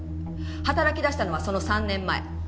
働き出したのはその３年前。